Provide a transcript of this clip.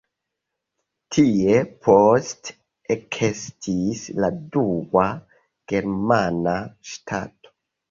Tie poste ekestis la dua germana ŝtato.